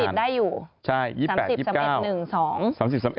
พี่หนุ่มอยู่๓๐ได้อยู่